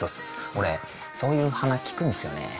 俺そういう鼻利くんすよね。